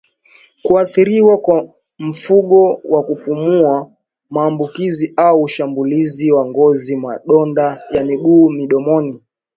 kuathiriwa kwa mfumo wa kupumua maambukizi au ushambulizi wa ngozi madonda ya miguu midomo